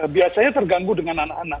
biasanya terganggu dengan anak anak